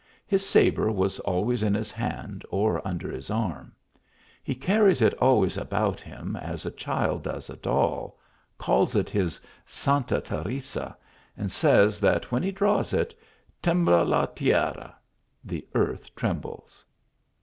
His sabre was always in his hand, or under his arm. He car ries tf always about with him as a child does a doll, calls it his Santa Teresa, and says, that when he draws it, " tembla la tierra !" (the earth trembles